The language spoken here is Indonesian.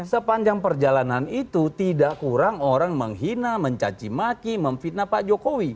sepanjang perjalanan itu tidak kurang orang menghina mencacimaki memfitnah pak jokowi